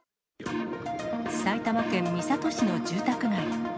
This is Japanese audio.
埼玉県三郷市の住宅街。